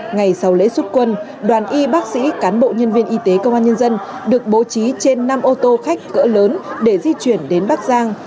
ngày sau lễ xuất quân đoàn y bác sĩ cán bộ nhân viên y tế công an nhân dân được bố trí trên năm ô tô khách cỡ lớn để di chuyển đến bắc giang